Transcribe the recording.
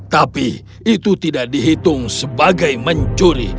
tapi itu tidak dihitung sebagai mencuri